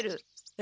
え？